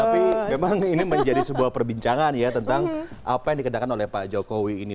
tapi memang ini menjadi sebuah perbincangan ya tentang apa yang dikenakan oleh pak jokowi ini